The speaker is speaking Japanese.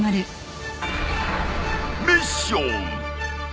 ミッション！